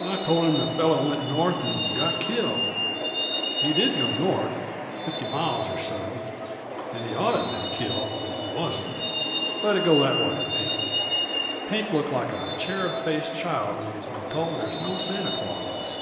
I told him the fellow went north and got killed. He did go north fifty miles or so; and he'd ought to been killed, if he wasn't. Let it go that way, Pink." Pink looked like a cherub faced child when he has been told there's no Santa Claus.